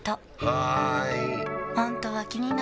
はーい！